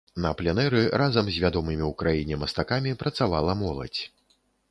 На пленэры разам з вядомымі ў краіне мастакамі працавала моладзь.